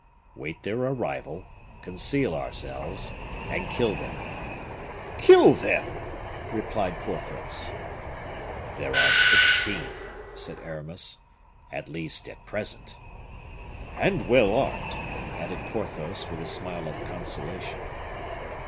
"Wait their arrival, conceal ourselves, and kill them." "Kill them!" replied Porthos. "There are sixteen," said Aramis, "at least, at present." "And well armed," added Porthos, with a smile of consolation.